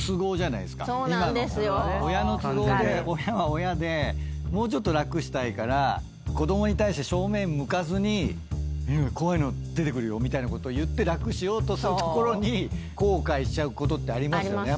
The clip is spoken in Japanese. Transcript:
今のも親の都合で親は親でもうちょっと楽したいから子供に対して正面向かずに怖いの出てくるよって言って楽しようとするところに後悔しちゃうことってありますよね。